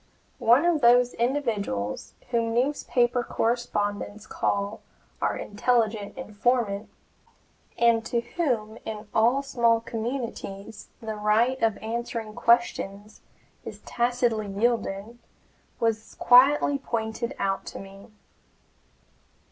One of those individuals whom newspaper correspondents call "our intelligent informant," and to whom in all small communities the right of answering questions is tacitly yielded, was quietly pointed out to me.